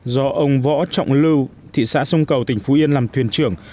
do ông võ trọng lưu thị xã sông cầu tỉnh phú yên làm thuyền trưởng